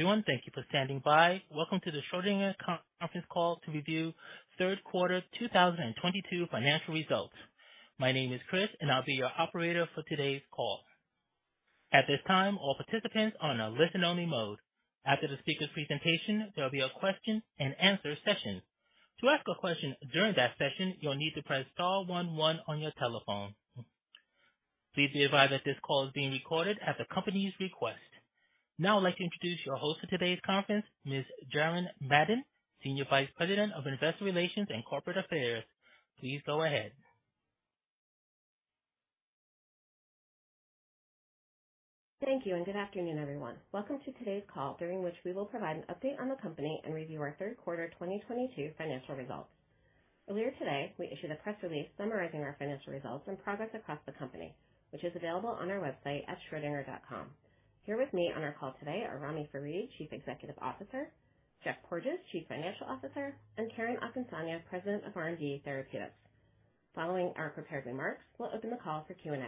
Everyone, thank you for standing by. Welcome to the Schrödinger conference call to review third quarter 2022 financial results. My name is Chris and I'll be your operator for today's call. At this time, all participants are in a listen-only mode. After the speaker presentation, there'll be a question and answer session. To ask a question during that session, you'll need to press star one one on your telephone. Please be advised that this call is being recorded at the company's request. Now I'd like to introduce your host of today's conference, Ms. Jaren Madden, Senior Vice President of Investor Relations and Corporate Affairs. Please go ahead. Thank you and good afternoon, everyone. Welcome to today's call, during which we will provide an update on the company and review our third quarter 2022 financial results. Earlier today, we issued a press release summarizing our financial results and progress across the company, which is available on our website at schrodinger.com. Here with me on our call today are Ramy Farid, Chief Executive Officer, Geoffrey Porges, Chief Financial Officer, and Karen Akinsanya, President of R&D Therapeutics. Following our prepared remarks, we'll open the call for Q&A.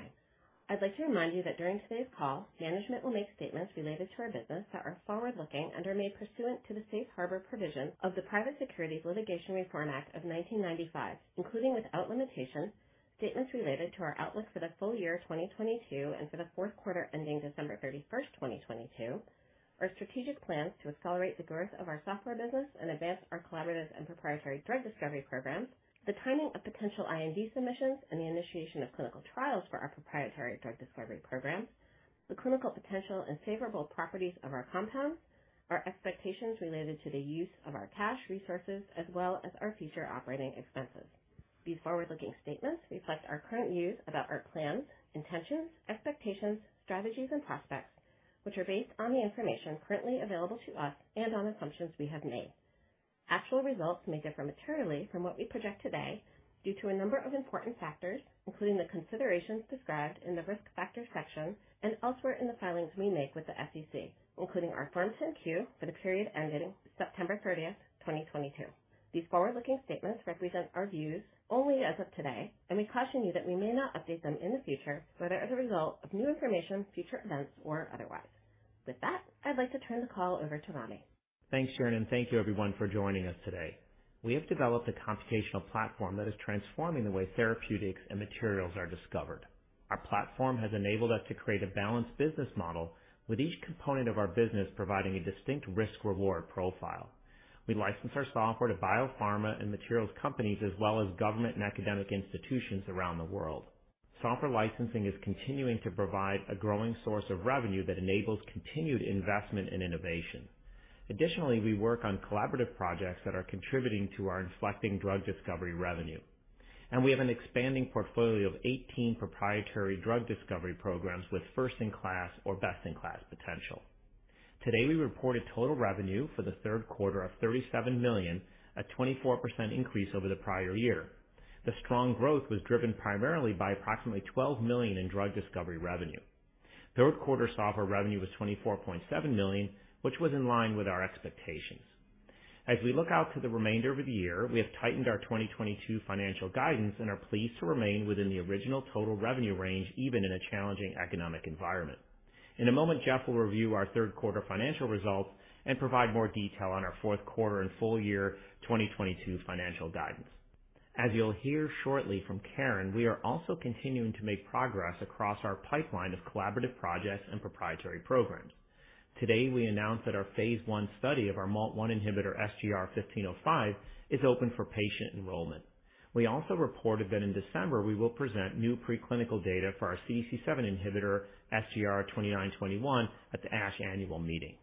I'd like to remind you that during today's call, management will make statements related to our business that are forward-looking and are made pursuant to the safe harbor provisions of the Private Securities Litigation Reform Act of 1995, including without limitation, statements related to our outlook for the full year 2022 and for the fourth quarter ending December 31, 2022. Our strategic plans to accelerate the growth of our software business and advance our collaborative and proprietary drug discovery programs. The timing of potential IND submissions and the initiation of clinical trials for our proprietary drug discovery program. The clinical potential and favorable properties of our compounds, our expectations related to the use of our cash resources as well as our future operating expenses. These forward-looking statements reflect our current views about our plans, intentions, expectations, strategies, and prospects, which are based on the information currently available to us and on assumptions we have made. Actual results may differ materially from what we project today due to a number of important factors, including the considerations described in the Risk Factors section and elsewhere in the filings we make with the SEC, including our Form 10-Q for the period ending September 30, 2022. These forward-looking statements represent our views only as of today, and we caution you that we may not update them in the future, whether as a result of new information, future events, or otherwise. With that, I'd like to turn the call over to Ramy. Thanks, Jaren, thank you everyone for joining us today. We have developed a computational platform that is transforming the way therapeutics and materials are discovered. Our platform has enabled us to create a balanced business model with each component of our business providing a distinct risk-reward profile. We license our software to biopharma and materials companies as well as government and academic institutions around the world. Software licensing is continuing to provide a growing source of revenue that enables continued investment in innovation. Additionally, we work on collaborative projects that are contributing to our inflecting drug discovery revenue, and we have an expanding portfolio of 18 proprietary drug discovery programs with first in class or best in class potential. Today, we reported total revenue for the third quarter of $37 million, a 24% increase over the prior year. The strong growth was driven primarily by approximately $12 million in drug discovery revenue. Third quarter software revenue was $24.7 million, which was in line with our expectations. As we look out to the remainder of the year, we have tightened our 2022 financial guidance and are pleased to remain within the original total revenue range, even in a challenging economic environment. In a moment, Jeff will review our third quarter financial results and provide more detail on our fourth quarter and full year 2022 financial guidance. As you'll hear shortly from Karen, we are also continuing to make progress across our pipeline of collaborative projects and proprietary programs. Today, we announced that our phase I study of our MALT1 inhibitor, SGR-1505, is open for patient enrollment. We also reported that in December we will present new preclinical data for our CDC7 inhibitor SGR-2921 at the ASH annual meeting.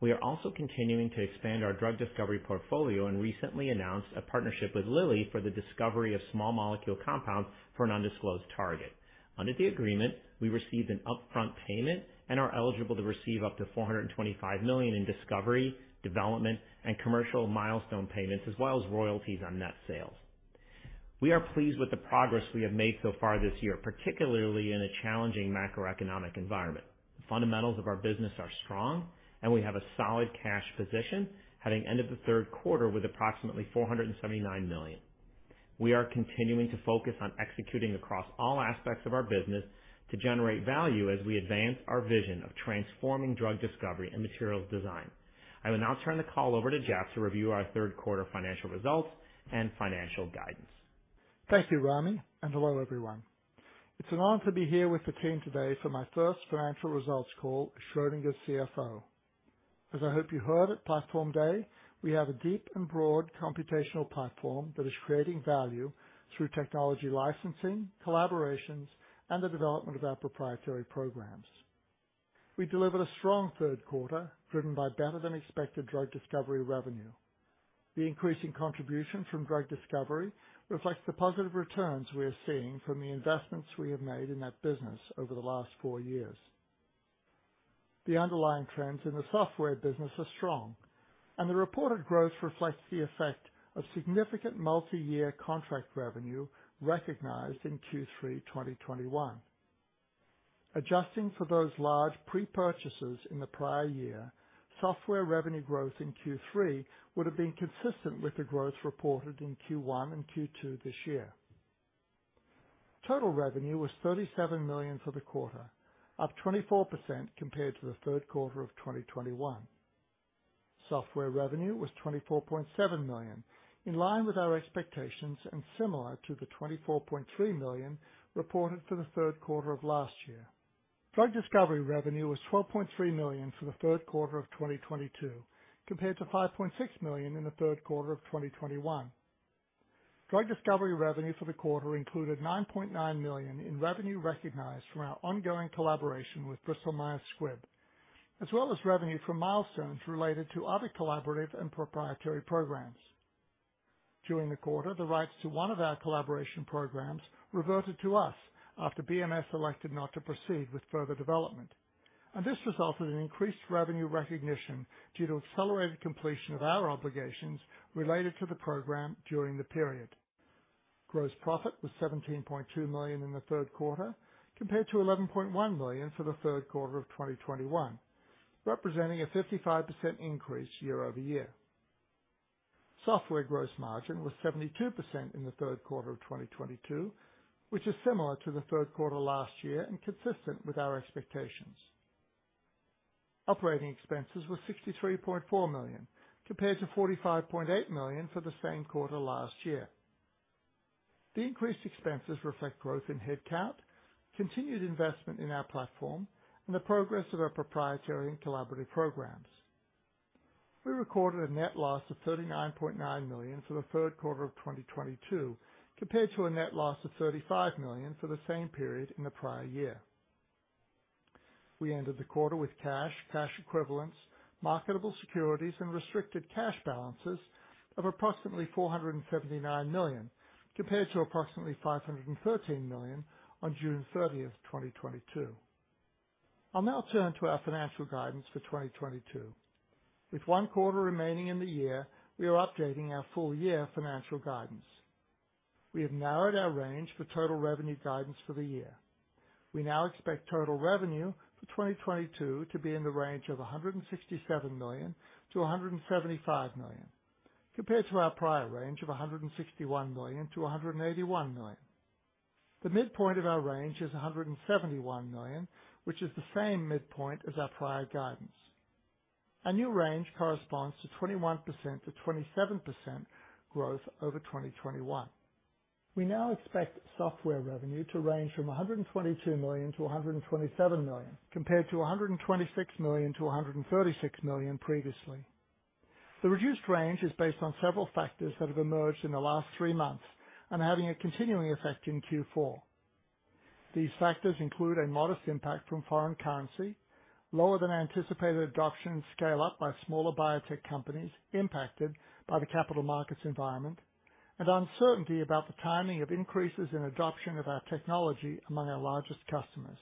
We are also continuing to expand our drug discovery portfolio and recently announced a partnership with Eli Lilly for the discovery of small molecule compounds for an undisclosed target. Under the agreement, we received an upfront payment and are eligible to receive up to $425 million in discovery, development, and commercial milestone payments as well as royalties on net sales. We are pleased with the progress we have made so far this year, particularly in a challenging macroeconomic environment. The fundamentals of our business are strong and we have a solid cash position, having ended the third quarter with approximately $479 million. We are continuing to focus on executing across all aspects of our business to generate value as we advance our vision of transforming drug discovery and materials design. I will now turn the call over to Geoffrey Porges to review our third quarter financial results and financial guidance. Thank you, Ramy, and hello everyone. It's an honor to be here with the team today for my first financial results call as Schrödinger's CFO. As I hope you heard at Platform Day, we have a deep and broad computational platform that is creating value through technology licensing, collaborations, and the development of our proprietary programs. We delivered a strong third quarter driven by better than expected drug discovery revenue. The increasing contribution from drug discovery reflects the positive returns we are seeing from the investments we have made in that business over the last four years. The underlying trends in the software business are strong, and the reported growth reflects the effect of significant multi-year contract revenue recognized in Q3, 2021. Adjusting for those large pre-purchases in the prior year, software revenue growth in Q3 would have been consistent with the growth reported in Q1 and Q2 this year. Total revenue was $37 million for the quarter, up 24% compared to the third quarter of 2021. Software revenue was $24.7 million, in line with our expectations and similar to the $24.3 million reported for the third quarter of last year. Drug discovery revenue was $12.3 million for the third quarter of 2022 compared to $5.6 million in the third quarter of 2021. Drug discovery revenue for the quarter included $9.9 million in revenue recognized from our ongoing collaboration with Bristol Myers Squibb, as well as revenue from milestones related to other collaborative and proprietary programs. During the quarter, the rights to one of our collaboration programs reverted to us after BMS elected not to proceed with further development. This resulted in increased revenue recognition due to accelerated completion of our obligations related to the program during the period. Gross profit was $17.2 million in the third quarter, compared to $11.1 million for the third quarter of 2021, representing a 55% increase year-over-year. Software gross margin was 72% in the third quarter of 2022, which is similar to the third quarter last year and consistent with our expectations. Operating expenses were $63.4 million, compared to $45.8 million for the same quarter last year. The increased expenses reflect growth in headcount, continued investment in our platform, and the progress of our proprietary and collaborative programs. We recorded a net loss of $39.9 million for the third quarter of 2022, compared to a net loss of $35 million for the same period in the prior year. We ended the quarter with cash equivalents, marketable securities, and restricted cash balances of approximately $479 million, compared to approximately $513 million on June 30th, 2022. I'll now turn to our financial guidance for 2022. With one quarter remaining in the year, we are updating our full year financial guidance. We have narrowed our range for total revenue guidance for the year. We now expect total revenue for 2022 to be in the range of $167 million-$175 million, compared to our prior range of $161 million-$181 million. The midpoint of our range is $171 million, which is the same midpoint as our prior guidance. Our new range corresponds to 21%-27% growth over 2021. We now expect software revenue to range from $122 million to $127 million, compared to $126 million-$136 million previously. The reduced range is based on several factors that have emerged in the last three months and are having a continuing effect in Q4. These factors include a modest impact from foreign currency, lower than anticipated adoption and scale up by smaller biotech companies impacted by the capital markets environment, and uncertainty about the timing of increases in adoption of our technology among our largest customers.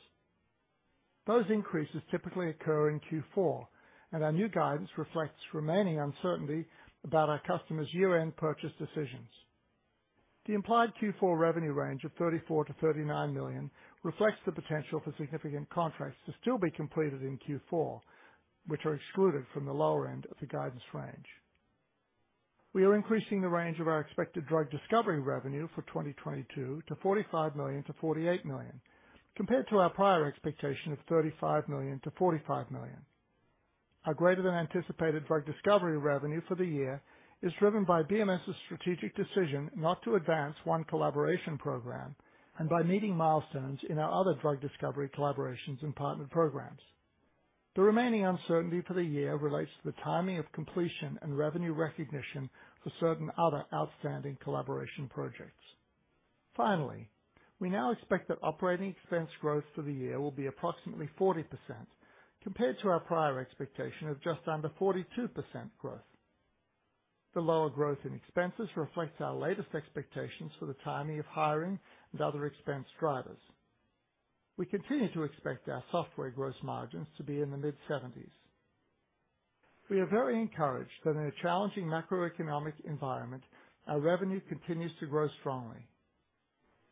Those increases typically occur in Q4, and our new guidance reflects remaining uncertainty about our customers' year-end purchase decisions. The implied Q4 revenue range of $34 million-$39 million reflects the potential for significant contracts to still be completed in Q4, which are excluded from the lower end of the guidance range. We are increasing the range of our expected drug discovery revenue for 2022 to $45 million-$48 million, compared to our prior expectation of $35 million-$45 million. Our greater than anticipated drug discovery revenue for the year is driven by BMS's strategic decision not to advance one collaboration program and by meeting milestones in our other drug discovery collaborations and partnered programs. The remaining uncertainty for the year relates to the timing of completion and revenue recognition for certain other outstanding collaboration projects. Finally, we now expect that operating expense growth for the year will be approximately 40% compared to our prior expectation of just under 42% growth. The lower growth in expenses reflects our latest expectations for the timing of hiring and other expense drivers. We continue to expect our software gross margins to be in the mid-70s. We are very encouraged that in a challenging macroeconomic environment, our revenue continues to grow strongly.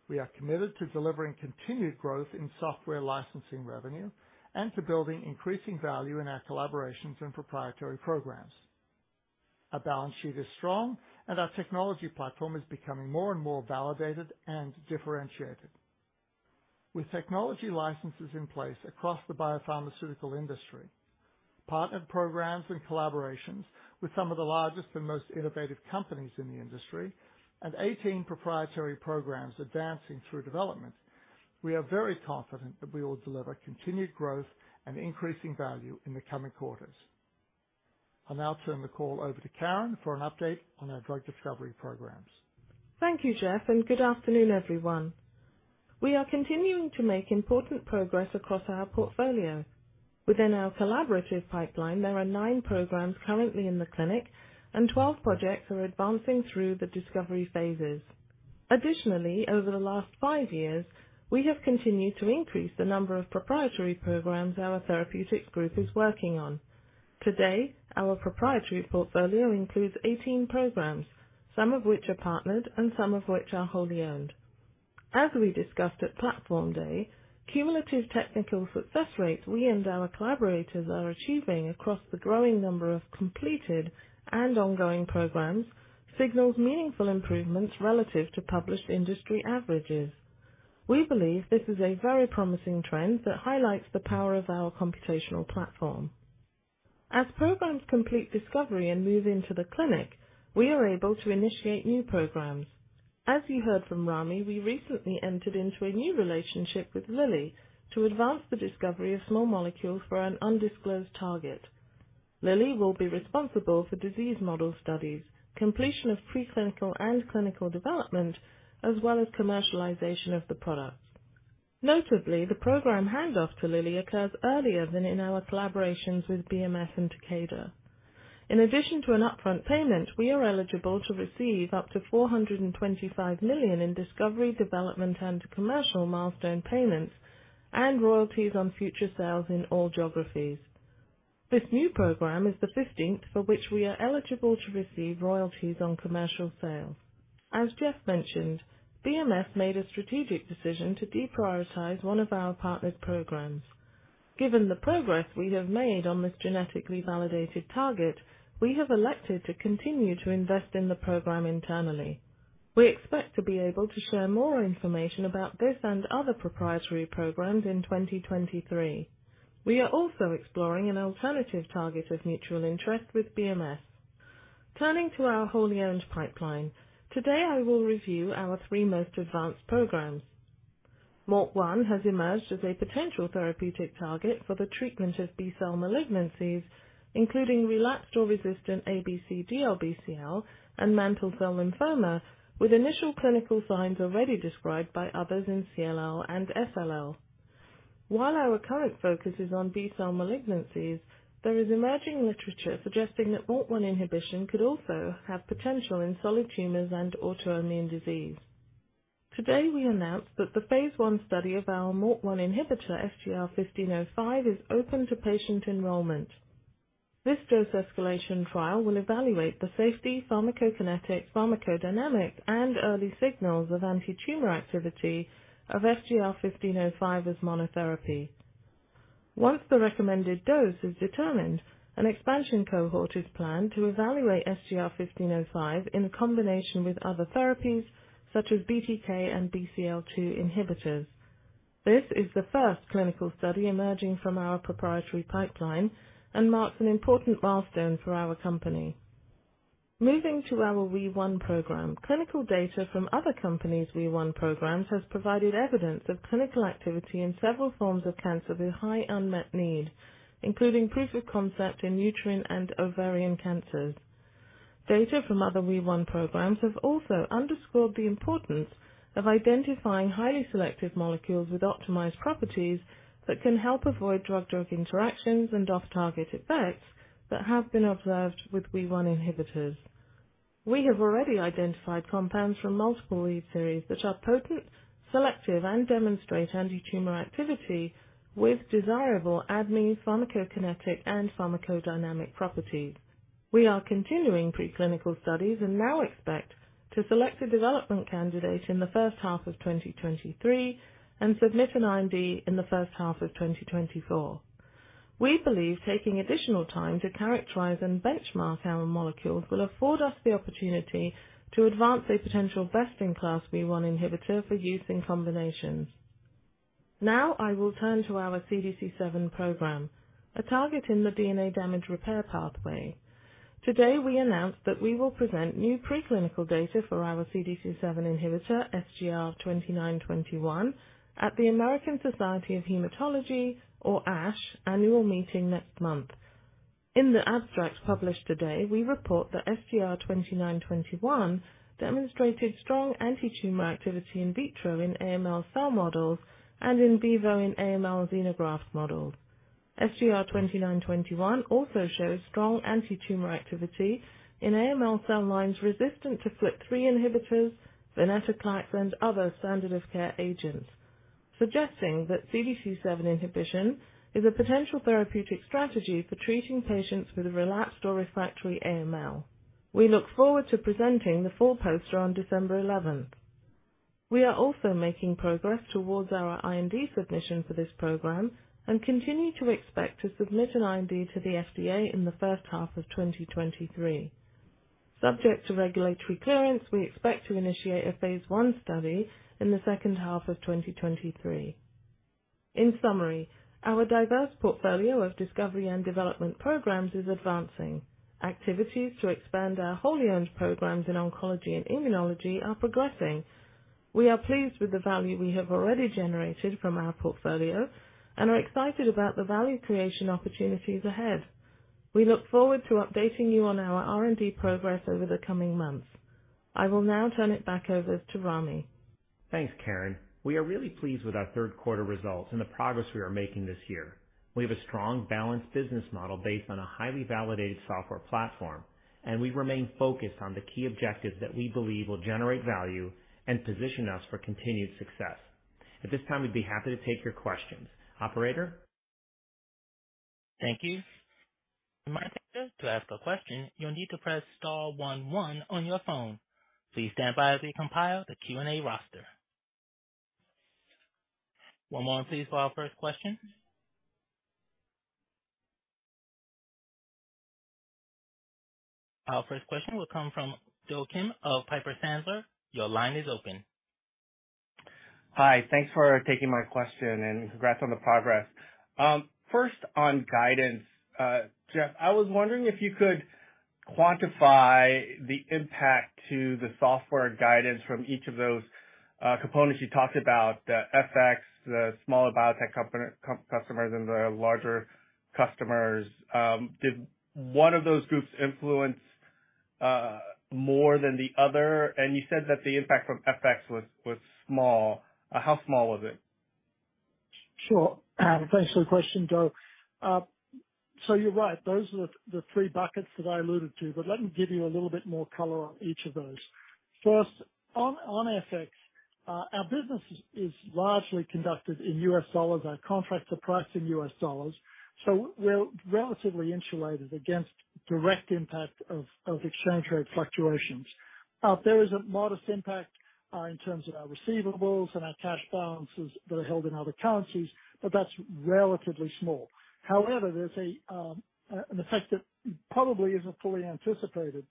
We are committed to delivering continued growth in software licensing revenue and to building increasing value in our collaborations and proprietary programs. Our balance sheet is strong, and our technology platform is becoming more and more validated and differentiated. With technology licenses in place across the biopharmaceutical industry, partnered programs and collaborations with some of the largest and most innovative companies in the industry, and 18 proprietary programs advancing through development, we are very confident that we will deliver continued growth and increasing value in the coming quarters. I'll now turn the call over to Karen for an update on our drug discovery programs. Thank you, Jeff, and good afternoon, everyone. We are continuing to make important progress across our portfolio. Within our collaborative pipeline, there are nine programs currently in the clinic, and 12 projects are advancing through the discovery phases. Additionally, over the last 5 years, we have continued to increase the number of proprietary programs our therapeutics group is working on. Today, our proprietary portfolio includes 18 programs, some of which are partnered and some of which are wholly owned. As we discussed at Platform Day, cumulative technical success rates we and our collaborators are achieving across the growing number of completed and ongoing programs signals meaningful improvements relative to published industry averages. We believe this is a very promising trend that highlights the power of our computational platform. As programs complete discovery and move into the clinic, we are able to initiate new programs. As you heard from Ramy, we recently entered into a new relationship with Lilly to advance the discovery of small molecules for an undisclosed target. Lilly will be responsible for disease model studies, completion of pre-clinical and clinical development, as well as commercialization of the product. Notably, the program handoff to Lilly occurs earlier than in our collaborations with BMS and Takeda. In addition to an upfront payment, we are eligible to receive up to $425 million in discovery, development, and commercial milestone payments and royalties on future sales in all geographies. This new program is the fifteenth for which we are eligible to receive royalties on commercial sales. As Jeff mentioned, BMS made a strategic decision to deprioritize one of our partners' programs. Given the progress we have made on this genetically validated target, we have elected to continue to invest in the program internally. We expect to be able to share more information about this and other proprietary programs in 2023. We are also exploring an alternative target of mutual interest with BMS. Turning to our wholly-owned pipeline. Today, I will review our three most advanced programs. MALT1 has emerged as a potential therapeutic target for the treatment of B-cell malignancies, including relapsed or resistant ABC DLBCL and mantle cell lymphoma, with initial clinical signs already described by others in CLL and SLL. While our current focus is on B-cell malignancies, there is emerging literature suggesting that MALT1 inhibition could also have potential in solid tumors and autoimmune disease. Today, we announced that the phase I study of our MALT1 inhibitor, SGR-1505, is open to patient enrollment. This dose escalation trial will evaluate the safety, pharmacokinetics, pharmacodynamics, and early signals of antitumor activity of SGR-1505 as monotherapy. Once the recommended dose is determined, an expansion cohort is planned to evaluate SGR-1505 in combination with other therapies such as BTK and BCL-2 inhibitors. This is the first clinical study emerging from our proprietary pipeline and marks an important milestone for our company. Moving to our WEE1 program. Clinical data from other companies' WEE1 programs has provided evidence of clinical activity in several forms of cancer with high unmet need, including proof of concept in uterine and ovarian cancers. Data from other WEE1 programs have also underscored the importance of identifying highly selective molecules with optimized properties that can help avoid drug-drug interactions and off-target effects that have been observed with WEE1 inhibitors. We have already identified compounds from multiple lead series that are potent, selective, and demonstrate antitumor activity with desirable ADME, pharmacokinetic, and pharmacodynamic properties. We are continuing pre-clinical studies and now expect to select a development candidate in the first half of 2023 and submit an IND in the first half of 2024. We believe taking additional time to characterize and benchmark our molecules will afford us the opportunity to advance a potential best-in-class WEE1 inhibitor for use in combinations. Now I will turn to our CDC7 program, a target in the DNA damage repair pathway. Today, we announced that we will present new pre-clinical data for our CDC7 inhibitor, SGR-2921, at the American Society of Hematology, or ASH, annual meeting next month. In the abstract published today, we report that SGR-2921 demonstrated strong antitumor activity in vitro in AML cell models and in vivo in AML xenograft models. SGR-2921 also shows strong antitumor activity in AML cell lines resistant to FLT3 inhibitors, venetoclax, and other standard of care agents, suggesting that CDC7 inhibition is a potential therapeutic strategy for treating patients with relapsed or refractory AML. We look forward to presenting the full poster on December eleventh. We are also making progress towards our IND submission for this program and continue to expect to submit an IND to the FDA in the first half of 2023. Subject to regulatory clearance, we expect to initiate a phase I study in the second half of 2023. In summary, our diverse portfolio of discovery and development programs is advancing. Activities to expand our wholly-owned programs in oncology and immunology are progressing. We are pleased with the value we have already generated from our portfolio and are excited about the value creation opportunities ahead. We look forward to updating you on our R&D progress over the coming months. I will now turn it back over to Ramy. Thanks, Karen. We are really pleased with our third quarter results and the progress we are making this year. We have a strong, balanced business model based on a highly validated software platform, and we remain focused on the key objectives that we believe will generate value and position us for continued success. At this time, we'd be happy to take your questions. Operator? Thank you. To ask a question, you'll need to press star one one on your phone. Please stand by as we compile the Q&A roster. One moment please for our first question. Our first question will come from Do Kim of Piper Sandler. Your line is open. Hi. Thanks for taking my question and congrats on the progress. First on guidance. Jeff, I was wondering if you could quantify the impact to the software guidance from each of those components you talked about, the FX, the smaller biotech customers and the larger customers. Did one of those groups influence more than the other? You said that the impact from FX was small. How small was it? Sure. Thanks for the question, Do. You're right, those are the three buckets that I alluded to, but let me give you a little bit more color on each of those. First, on FX, our business is largely conducted in U.S. dollars. Our contracts are priced in U.S. dollars, so we're relatively insulated against direct impact of exchange rate fluctuations. There is a modest impact in terms of our receivables and our cash balances that are held in other currencies, but that's relatively small. However, there's an effect that probably isn't fully anticipated,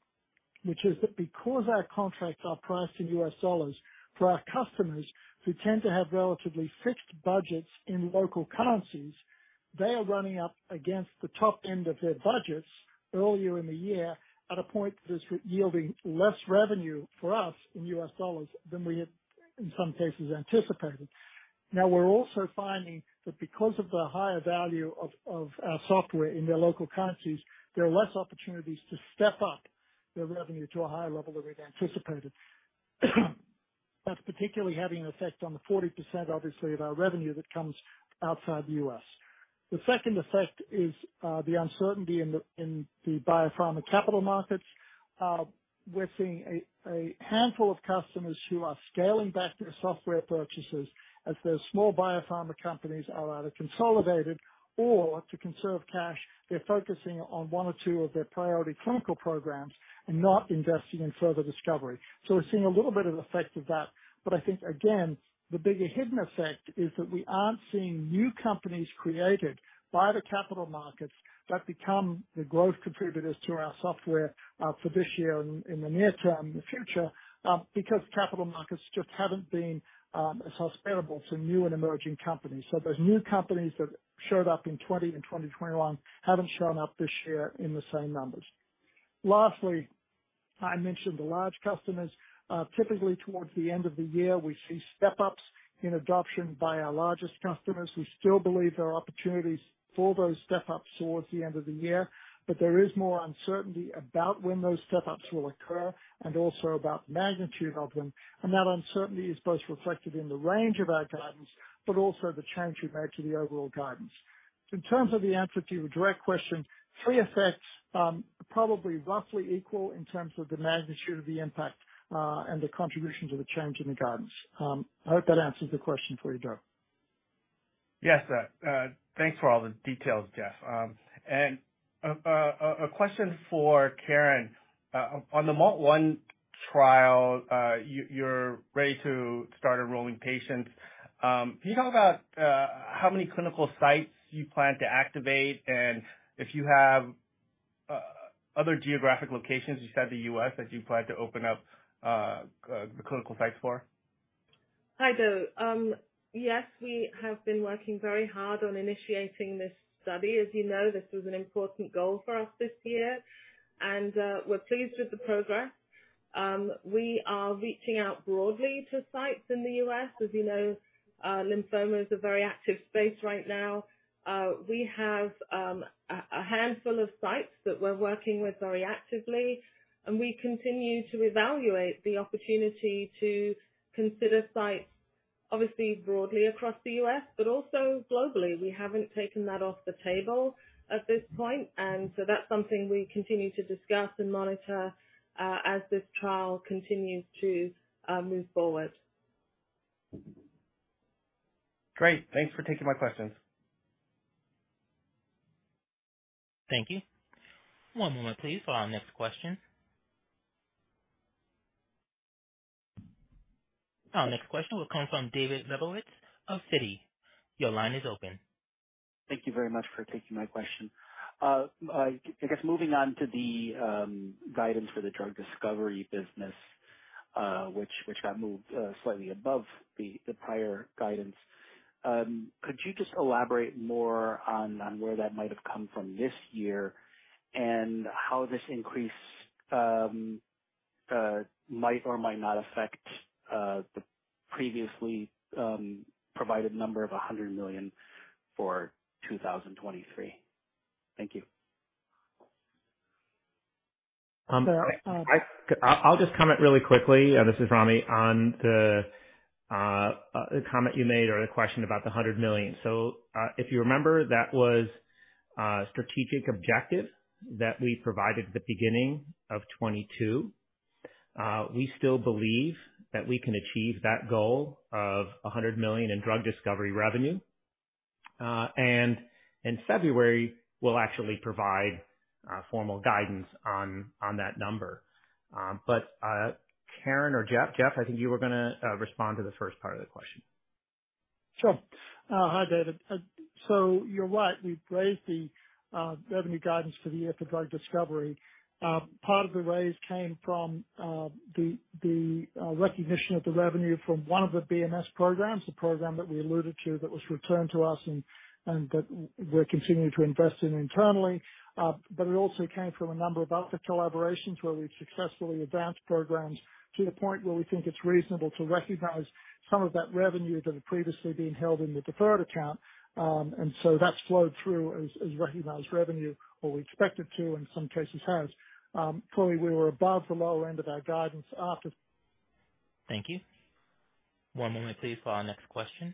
which is that because our contracts are priced in U.S. dollars, for our customers who tend to have relatively fixed budgets in local currencies, they are running up against the top end of their budgets earlier in the year at a point that is yielding less revenue for us in U.S. dollars than we had, in some cases, anticipated. Now, we're also finding that because of the higher value of our software in their local currencies, there are less opportunities to step up their revenue to a higher level than we'd anticipated. That's particularly having an effect on the 40%, obviously, of our revenue that comes outside the U.S.. The second effect is the uncertainty in the biopharma capital markets. We're seeing a handful of customers who are scaling back their software purchases as their small biopharma companies are either consolidated or, to conserve cash, they're focusing on one or two of their priority clinical programs and not investing in further discovery. We're seeing a little bit of effect of that. I think, again, the bigger hidden effect is that we aren't seeing new companies created by the capital markets that become the growth contributors to our software, for this year and in the near term in the future, because capital markets just haven't been, as hospitable to new and emerging companies. Those new companies that showed up in 2020 and 2021 haven't shown up this year in the same numbers. Lastly, I mentioned the large customers. Typically towards the end of the year, we see step-ups in adoption by our largest customers. We still believe there are opportunities for those step-ups towards the end of the year, but there is more uncertainty about when those step-ups will occur and also about the magnitude of them. That uncertainty is both reflected in the range of our guidance, but also the change we made to the overall guidance. In terms of the answer to your direct question, three effects, probably roughly equal in terms of the magnitude of the impact, and the contribution to the change in the guidance. I hope that answers the question for you, Do. Yes. Thanks for all the details, Jeff. A question for Karen. On the MALT1 trial, you're ready to start enrolling patients. Can you talk about how many clinical sites you plan to activate, and if you have other geographic locations besides the U.S. that you plan to open up the clinical sites for? Hi, Do Kim. Yes, we have been working very hard on initiating this study. As you know, this was an important goal for us this year. We're pleased with the progress. We are reaching out broadly to sites in the U.S. As you know, lymphoma is a very active space right now. We have a handful of sites that we're working with very actively, and we continue to evaluate the opportunity to consider sites, obviously broadly across the U.S., but also globally. We haven't taken that off the table at this point. That's something we continue to discuss and monitor as this trial continues to move forward. Great. Thanks for taking my questions. Thank you. One moment please for our next question. Our next question will come from David Lebowitz of Citi. Your line is open. Thank you very much for taking my question. I guess moving on to the guidance for the drug discovery business, which got moved slightly above the prior guidance. Could you just elaborate more on where that might have come from this year and how this increase might or might not affect the previously provided number of $100 million for 2023? Thank you. I'll just comment really quickly, this is Ramy, on the comment you made or the question about the $100 million. If you remember, that was a strategic objective that we provided at the beginning of 2022. We still believe that we can achieve that goal of $100 million in drug discovery revenue. In February, we'll actually provide formal guidance on that number. Karen or Jeff. Jeff, I think you were gonna respond to the first part of the question. Sure. Hi, David. So you're right. We've raised the revenue guidance for the year for drug discovery. Part of the raise came from the recognition of the revenue from one of the BMS programs, the program that we alluded to that was returned to us and that we're continuing to invest in internally. It also came from a number of other collaborations where we've successfully advanced programs to the point where we think it's reasonable to recognize some of that revenue that had previously been held in the deferred account. That's flowed through as recognized revenue, or we expect it to, in some cases has. Clearly we were above the lower end of our guidance. Thank you. One moment please for our next question.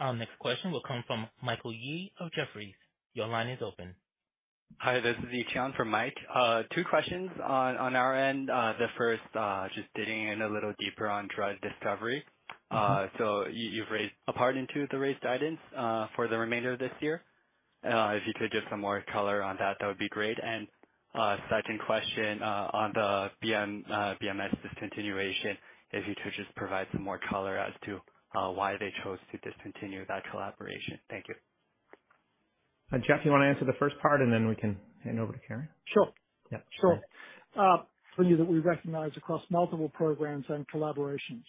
Our next question will come from Michael Yee of Jefferies. Your line is open. Hi, this is Yee-Chien for Mike. Two questions on our end. The first, just digging in a little deeper on drug discovery. So you've raised the bar on the raised guidance for the remainder of this year. Second question, on the BMS discontinuation, if you could just provide some more color as to why they chose to discontinue that collaboration. Thank you. Geoff, you wanna answer the first part, and then we can hand over to Karen? Sure. Yeah. Sure. For you, that we recognize across multiple programs and collaborations.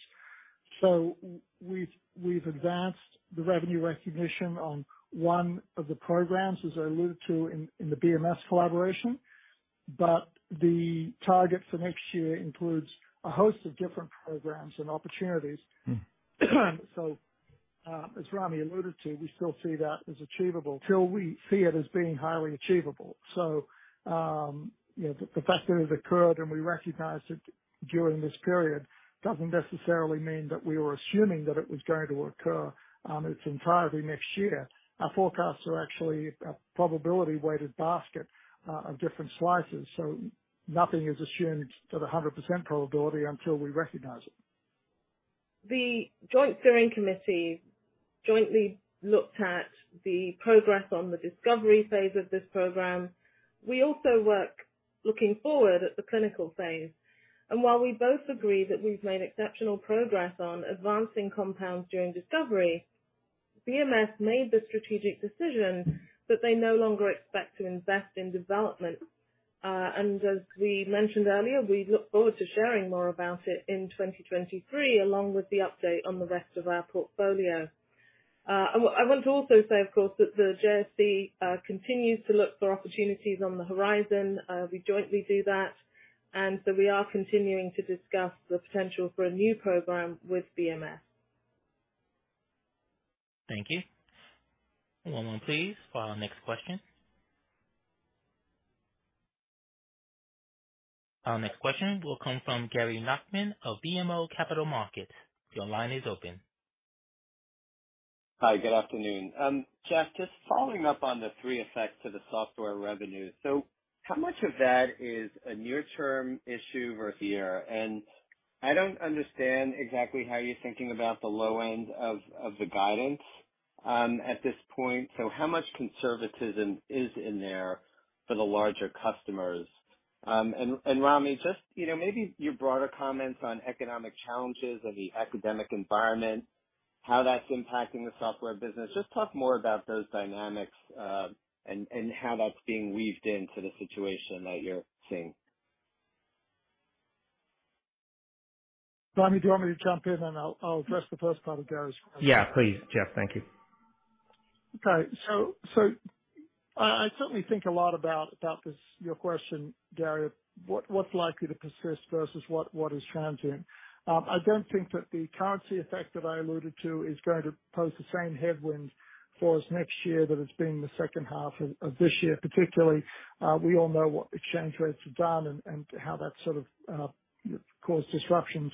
We've advanced the revenue recognition on one of the programs, as I alluded to in the BMS collaboration, but the target for next year includes a host of different programs and opportunities. Mm. As Ramy alluded to, we still see that as achievable. We still see it as being highly achievable. You know, the fact that it occurred and we recognized it during this period doesn't necessarily mean that we were assuming that it was going to occur in its entirety next year. Our forecasts are actually a probability-weighted basket of different slices, so nothing is assumed at 100% probability until we recognize it. The Joint Steering Committee jointly looked at the progress on the discovery phase of this program. We also worked looking forward at the clinical phase, and while we both agree that we've made exceptional progress on advancing compounds during discovery, BMS made the strategic decision that they no longer expect to invest in development. As we mentioned earlier, we look forward to sharing more about it in 2023, along with the update on the rest of our portfolio. I want to also say, of course, that the JSC continues to look for opportunities on the horizon. We jointly do that, and so we are continuing to discuss the potential for a new program with BMS. Thank you. One moment please for our next question. Our next question will come from Gary Nachman of BMO Capital Markets. Your line is open. Hi, good afternoon. Jeff, just following up on the three effects to the software revenue. How much of that is a near-term issue versus here? I don't understand exactly how you're thinking about the low end of the guidance at this point. How much conservatism is in there for the larger customers? Ramy, just, you know, maybe your broader comments on economic challenges and the academic environment, how that's impacting the software business. Just talk more about those dynamics, and how that's being weaved into the situation that you're seeing. Ramy, do you want me to jump in and I'll address the first part of Gary's question? Yeah, please, Jeff. Thank you. I certainly think a lot about this, your question, Gary, what's likely to persist versus what is transient. I don't think that the currency effect that I alluded to is going to pose the same headwind for us next year that it's been the second half of this year particularly. We all know what exchange rates have done and how that sort of caused disruptions.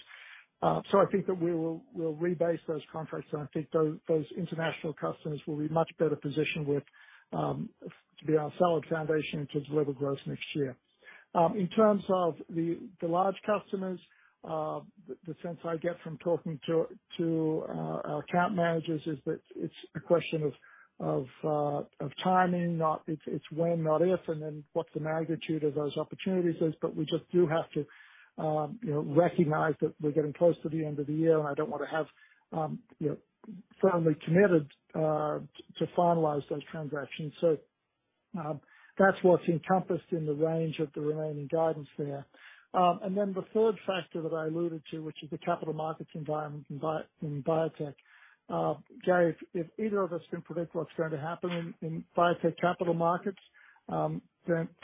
I think we'll rebase those contracts, and I think those international customers will be much better positioned to be our solid foundation toward level growth next year. In terms of the large customers, the sense I get from talking to our account managers is that it's a question of timing, not if, it's when, not if, and then what the magnitude of those opportunities is. We just do have to, you know, recognize that we're getting close to the end of the year, and I don't wanna have firmly committed to finalize those transactions. That's what's encompassed in the range of the remaining guidance for you. Then the third factor that I alluded to, which is the capital markets environment in biotech. Gary, if either of us can predict what's going to happen in biotech capital markets, then,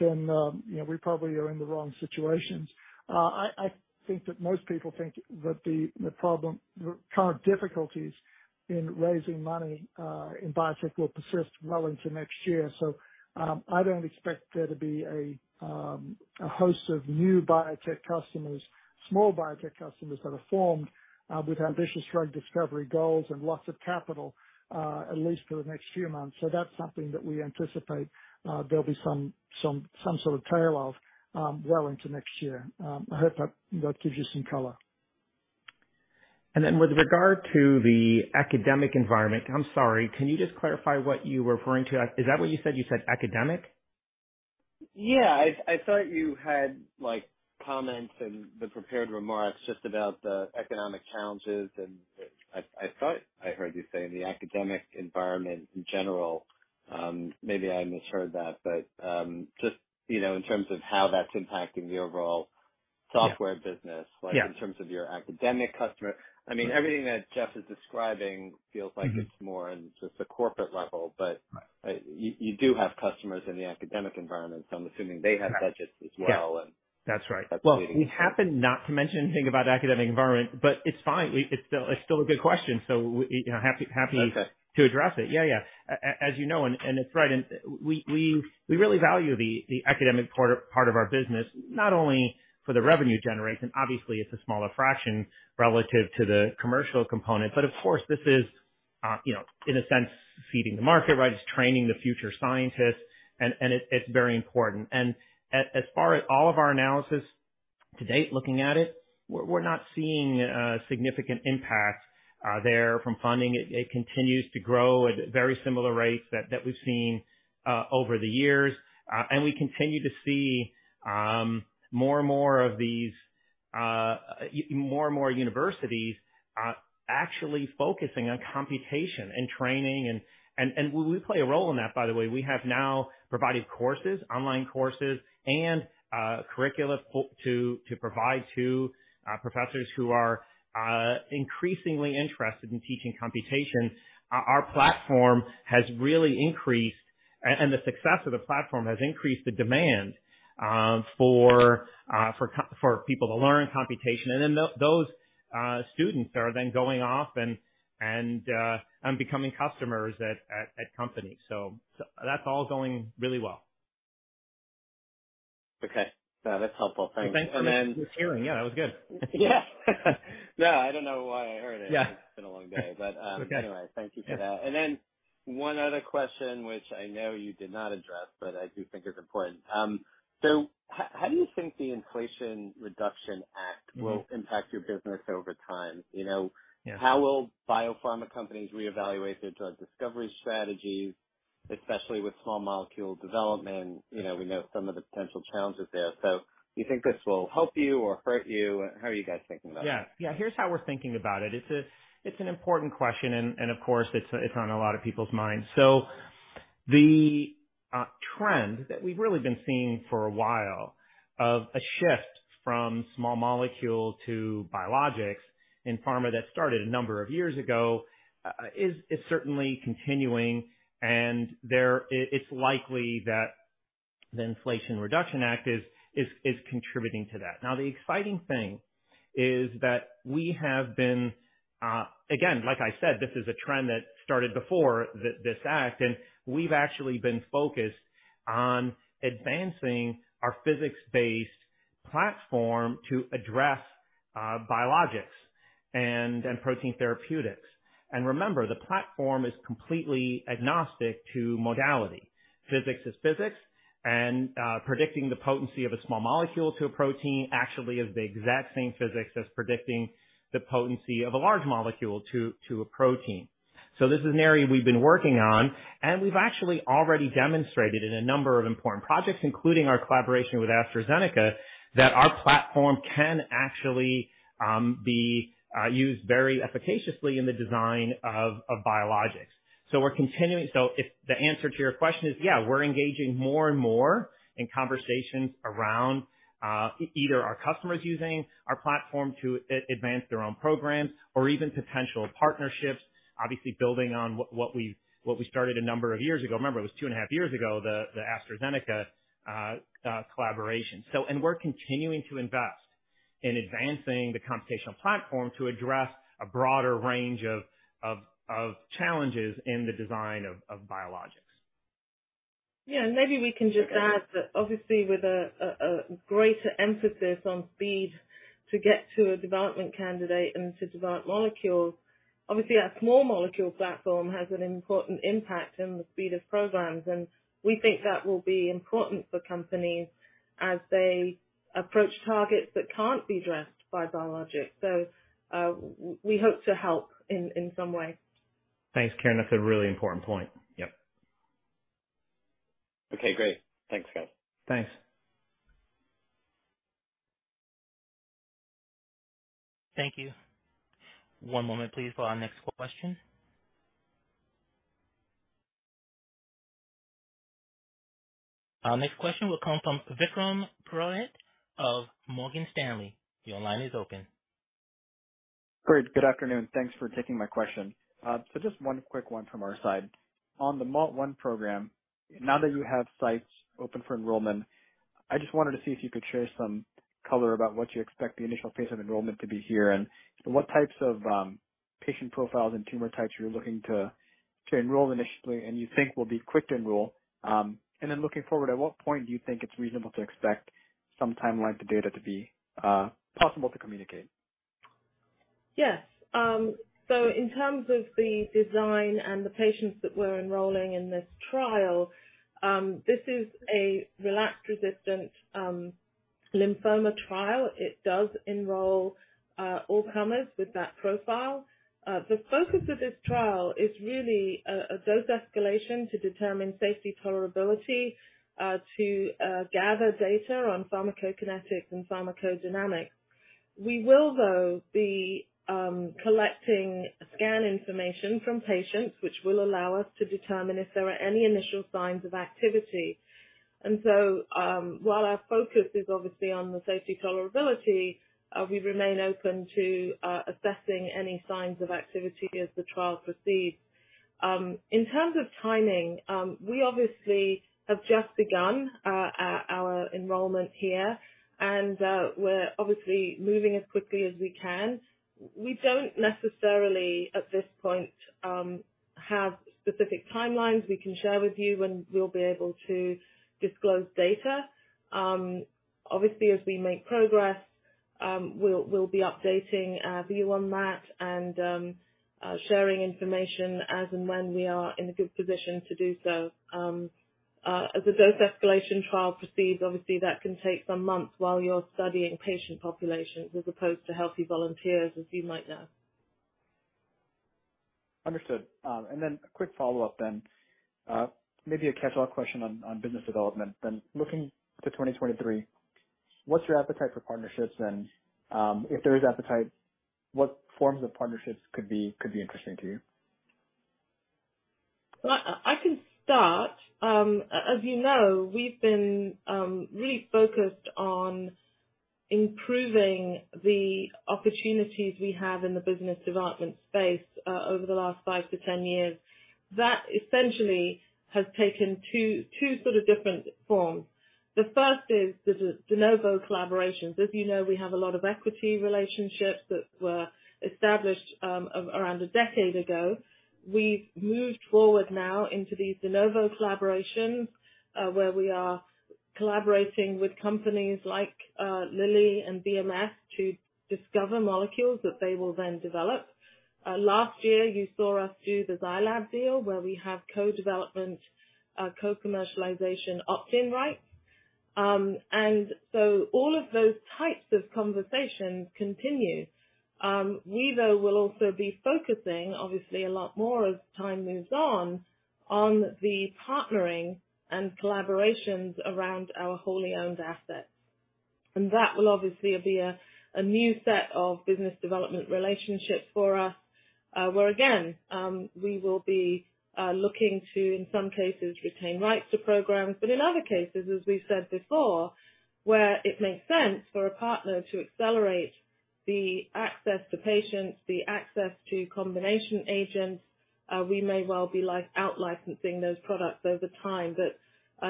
you know, we probably are in the wrong situations. I think that most people think that the problem, the current difficulties in raising money in biotech will persist well into next year. I don't expect there to be a host of new biotech customers, small biotech customers that are formed with ambitious drug discovery goals and lots of capital, at least for the next few months. That's something that we anticipate, there'll be some sort of tail off well into next year. I hope that gives you some color. With regard to the academic environment, I'm sorry, can you just clarify what you were referring to? Is that what you said? You said academic. Yeah. I thought you had like comments in the prepared remarks just about the economic challenges and I thought I heard you say the academic environment in general. Maybe I misheard that. Just, you know, in terms of how that's impacting the overall. Yeah. software business. Yeah. Like, in terms of your academic customer. I mean, everything that Jeff is describing feels like. Mm-hmm. It's more in just the corporate level, but you do have customers in the academic environment, so I'm assuming they have budgets as well. Yeah. That's right. Well, we happened not to mention anything about academic environment, but it's fine. It's still a good question. We, you know, happy. Okay. To address it. Yeah. Yeah. As you know, and it's right, and we really value the academic part of our business, not only for the revenue generation. Obviously it's a smaller fraction relative to the commercial component. Of course this is, you know, in a sense, feeding the market, right? It's training the future scientists and it's very important. As far as all of our analysis to date, looking at it, we're not seeing a significant impact there from funding. It continues to grow at very similar rates that we've seen over the years. And we continue to see more and more universities actually focusing on computation and training and we play a role in that, by the way. We have now provided courses, online courses and curricula to provide to professors who are increasingly interested in teaching computation. Our platform has really increased, and the success of the platform has increased the demand for people to learn computation. Those students are going off and becoming customers at companies. That's all going really well. Okay. No, that's helpful. Thank you. Thanks for the hearing. Yeah, that was good. Yeah. No, I don't know why I heard it. Yeah. It's been a long day. Okay. Anyway, thank you for that. Then one other question which I know you did not address, but I do think is important. How do you think the Inflation Reduction Act- Mm-hmm. will impact your business over time? You know Yeah. How will biopharma companies reevaluate their drug discovery strategies, especially with small molecule development? You know, we know some of the potential challenges there. Do you think this will help you or hurt you, and how are you guys thinking about it? Yeah. Here's how we're thinking about it. It's an important question and, of course it's on a lot of people's minds. The trend that we've really been seeing for a while of a shift from small molecule to biologics in pharma that started a number of years ago is certainly continuing. It's likely that the Inflation Reduction Act is contributing to that. Now, the exciting thing is that we have been, again, like I said, this is a trend that started before this act, and we've actually been focused on advancing our physics-based platform to address biologics and protein therapeutics. Remember, the platform is completely agnostic to modality. Physics is physics and, predicting the potency of a small molecule to a protein actually is the exact same physics as predicting the potency of a large molecule to a protein. This is an area we've been working on, and we've actually already demonstrated in a number of important projects, including our collaboration with AstraZeneca, that our platform can actually be used very efficaciously in the design of biologics. We're continuing. If the answer to your question is yeah, we're engaging more and more in conversations around either our customers using our platform to advance their own programs or even potential partnerships, obviously building on what we started a number of years ago. Remember it was two and a half years ago, the AstraZeneca collaboration. We're continuing to invest in advancing the computational platform to address a broader range of challenges in the design of biologics. Yeah. Maybe we can just add that obviously with a greater emphasis on speed to get to a development candidate and to develop molecules. Obviously our small molecule platform has an important impact in the speed of programs, and we think that will be important for companies as they approach targets that can't be addressed by biologics. We hope to help in some way. Thanks, Karen. That's a really important point. Yep. Okay, great. Thanks, guys. Thanks. Thank you. One moment please for our next question. Our next question will come from Vikram Purohit of Morgan Stanley. Your line is open. Great. Good afternoon. Thanks for taking my question. Just one quick one from our side. On the MALT-One program, now that you have sites open for enrollment, I just wanted to see if you could share some color about what you expect the initial pace of enrollment to be here and what types of patient profiles and tumor types you're looking to enroll initially and you think will be quick to enroll. Looking forward, at what point do you think it's reasonable to expect some timeline to data to be possible to communicate? Yes. In terms of the design and the patients that we're enrolling in this trial, this is a relapsed resistant lymphoma trial. It does enroll all comers with that profile. The focus of this trial is really a dose escalation to determine safety tolerability to gather data on pharmacokinetics and pharmacodynamics. We will, though, be collecting scan information from patients which will allow us to determine if there are any initial signs of activity. While our focus is obviously on the safety tolerability, we remain open to assessing any signs of activity as the trial proceeds. In terms of timing, we obviously have just begun our enrollment here, and we're obviously moving as quickly as we can. We don't necessarily at this point have specific timelines we can share with you when we'll be able to disclose data. Obviously, as we make progress, we'll be updating our view on that and sharing information as and when we are in a good position to do so. As the dose escalation trial proceeds, obviously that can take some months while you're studying patient populations as opposed to healthy volunteers, as you might know. Understood. A quick follow-up. Maybe a catch-all question on business development. Looking to 2023, what's your appetite for partnerships? If there is appetite, what forms of partnerships could be interesting to you? Well, I can start. As you know, we've been really focused on improving the opportunities we have in the business development space over the last five to 10 years. That essentially has taken two sort of different forms. The first is the de novo collaborations. As you know, we have a lot of equity relationships that were established around a decade ago. We've moved forward now into these de novo collaborations, where we are collaborating with companies like Lilly and BMS to discover molecules that they will then develop. Last year, you saw us do the Zai Lab deal, where we have co-development co-commercialization opt-in rights. All of those types of conversations continue. We though will also be focusing obviously a lot more as time moves on the partnering and collaborations around our wholly owned assets. That will obviously be a new set of business development relationships for us, where again, we will be looking to, in some cases, retain rights to programs. But in other cases, as we've said before, where it makes sense for a partner to accelerate the access to patients, the access to combination agents, we may well be like, out-licensing those products over time. But,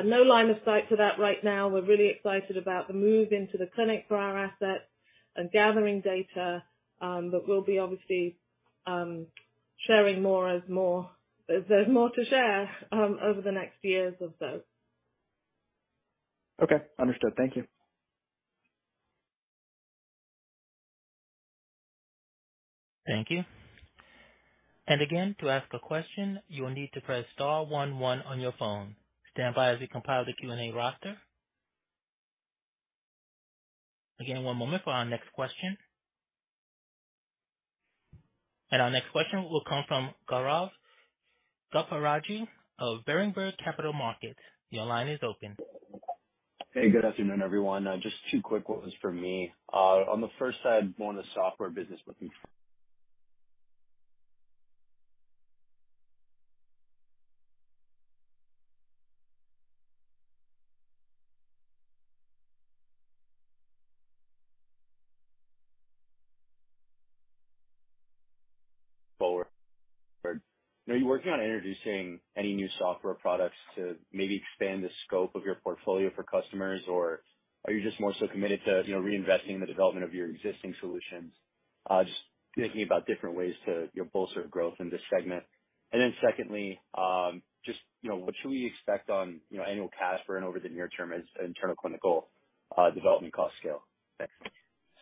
no line of sight to that right now. We're really excited about the move into the clinic for our assets and gathering data, but we'll be obviously, sharing more as there's more to share, over the next years of those. Okay. Understood. Thank you. Thank you. Again, to ask a question, you will need to press star one one on your phone. Stand by as we compile the Q&A roster. Again, one moment for our next question. Our next question will come from Gaurav Goparaju of Berenberg Capital Markets. Your line is open. Hey, good afternoon, everyone. Just two quick ones from me. On the first side, more on the software business Forward. Are you working on introducing any new software products to maybe expand the scope of your portfolio for customers? Or are you just more so committed to, you know, reinvesting the development of your existing solutions? Just thinking about different ways to, you know, bolster growth in this segment. Then secondly, just, you know, what should we expect on, you know, annual cash burn over the near term as internal clinical development costs scale?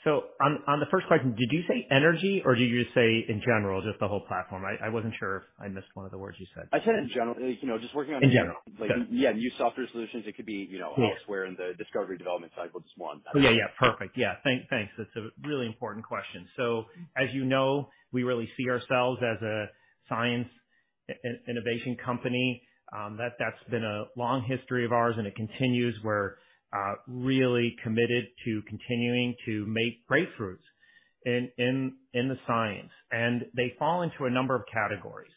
Thanks. On the first question, did you say energy or did you just say in general, just the whole platform? I wasn't sure if I missed one of the words you said. I said in general, you know, just working on. In general. Got it. Yeah, new software solutions. It could be, you know. Yeah. Elsewhere in the discovery development cycle, just one. Oh, yeah. Perfect. Yeah. Thanks. That's a really important question. As you know, we really see ourselves as a science innovation company. That's been a long history of ours, and it continues. We're really committed to continuing to make breakthroughs in the science. They fall into a number of categories.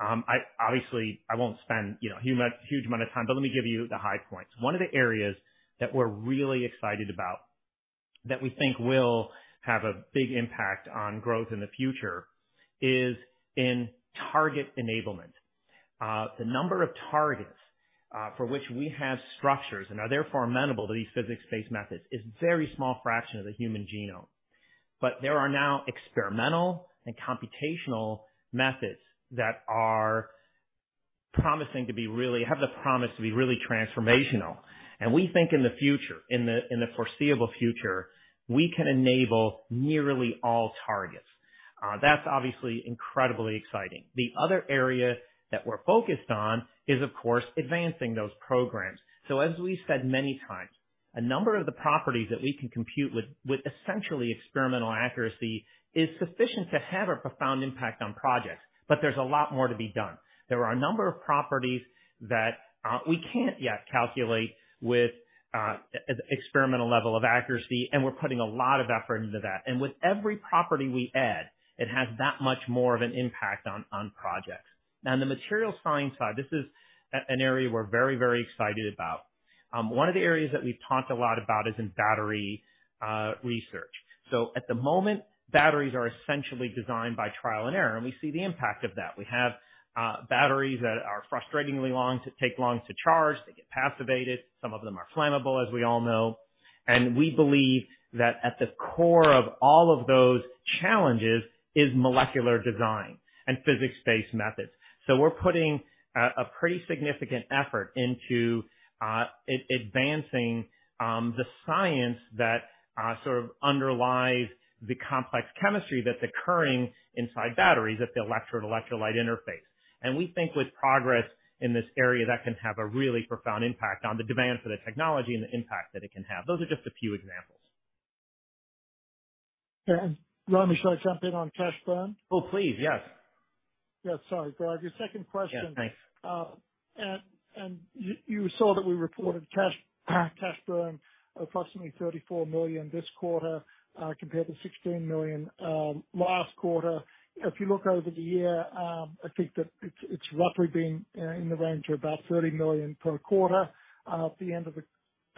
Obviously, I won't spend, you know, a huge amount of time, but let me give you the high points. One of the areas that we're really excited about that we think will have a big impact on growth in the future is in target enablement. The number of targets for which we have structures and are therefore amenable to these physics-based methods is very small fraction of the human genome. There are now experimental and computational methods that are promising have the promise to be really transformational. We think in the future, in the foreseeable future, we can enable nearly all targets. That's obviously incredibly exciting. The other area that we're focused on is, of course, advancing those programs. As we've said many times, a number of the properties that we can compute with essentially experimental accuracy is sufficient to have a profound impact on projects, but there's a lot more to be done. There are a number of properties that we can't yet calculate with experimental level of accuracy, and we're putting a lot of effort into that. With every property we add, it has that much more of an impact on projects. Now, on the materials science side, this is an area we're very, very excited about. One of the areas that we've talked a lot about is in battery research. At the moment, batteries are essentially designed by trial and error, and we see the impact of that. We have batteries that are frustratingly long, take long to charge. They get passivated. Some of them are flammable, as we all know. We believe that at the core of all of those challenges is molecular design and physics-based methods. We're putting a pretty significant effort into advancing the science that sort of underlies the complex chemistry that's occurring inside batteries at the electrode electrolyte interface. We think with progress in this area, that can have a really profound impact on the demand for the technology and the impact that it can have. Those are just a few examples. Ramy, should I jump in on cash burn? Oh, please. Yes. Yeah. Sorry, Gaurav. Your second question. Yeah, thanks. You saw that we reported cash burn approximately $34 million this quarter, compared to $16 million last quarter. If you look over the year, I think that it's roughly been in the range of about $30 million per quarter. At the end of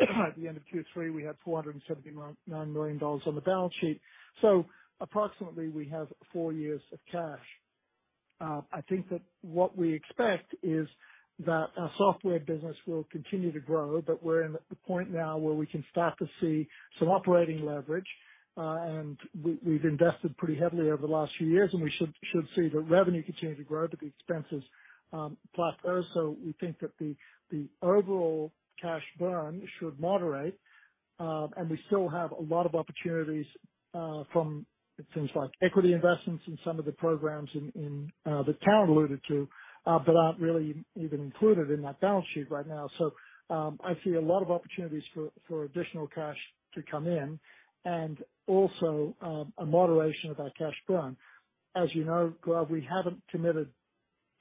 Q3, we had $479.9 million on the balance sheet. Approximately we have four years of cash. I think that what we expect is that our software business will continue to grow, but we're at this point now where we can start to see some operating leverage. We've invested pretty heavily over the last few years, and we should see the revenue continue to grow, but the expenses plateau. We think that the overall cash burn should moderate, and we still have a lot of opportunities from things like equity investments in some of the programs in that Karen alluded to, but aren't really even included in that balance sheet right now. I see a lot of opportunities for additional cash to come in and also a moderation of our cash burn. As you know, Greg, we haven't committed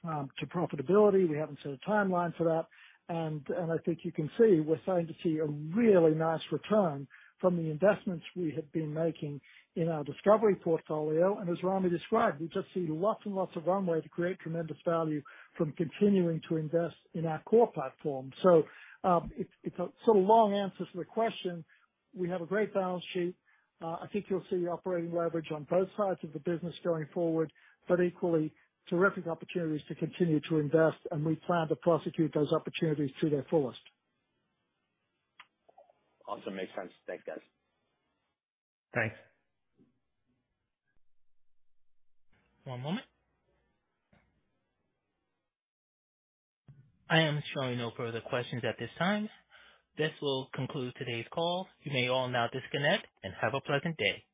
to profitability. We haven't set a timeline for that. I think you can see we're starting to see a really nice return from the investments we have been making in our discovery portfolio. As Ramy described, we just see lots and lots of runway to create tremendous value from continuing to invest in our core platform. It's a sort of long answer to the question. We have a great balance sheet. I think you'll see operating leverage on both sides of the business going forward, but equally terrific opportunities to continue to invest, and we plan to prosecute those opportunities to their fullest. Awesome. Makes sense. Thanks, guys. Thanks. One moment. I am showing no further questions at this time. This will conclude today's call. You may all now disconnect and have a pleasant day.